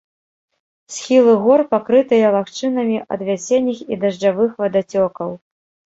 Схілы гор пакрытыя лагчынамі ад вясенніх і дажджавых вадацёкаў.